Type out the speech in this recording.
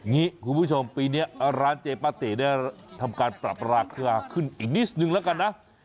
คุณผู้ชมปีนี้ร้านเจป้าติได้ทำการปรับราคาขึ้นอีกนิดนึงแล้วกันนะ